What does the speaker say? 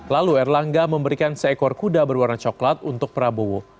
lalu erlangga memberikan seekor kuda berwarna coklat untuk prabowo